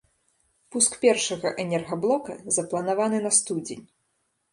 Пуск першага энергаблока запланаваны на студзень.